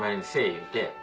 言うて。